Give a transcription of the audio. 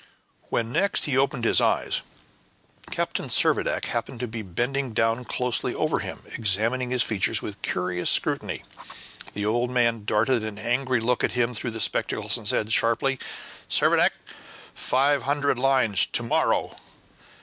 When next he opened his eyes, Captain Servadac happened to be bending down closely over him, examining his features with curious scrutiny. The old man darted an angry look at him through the spectacles, and said sharply, "Servadac, five hundred lines to morrow!"